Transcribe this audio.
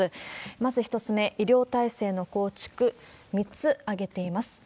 まず１つ目、医療体制の構築、３つ挙げています。